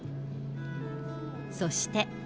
そして。